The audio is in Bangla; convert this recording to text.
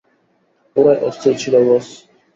পুরাই অস্থির ছিল বস।